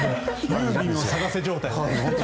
ユーミンを探せ状態。